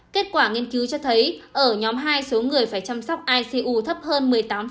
kết quả nghiên cứu cho thấy ở nhóm hai số người phải chăm sóc icu thấp hơn một mươi tám